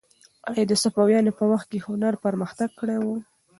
آیا د صفویانو په وخت کې هنر پرمختګ کړی و؟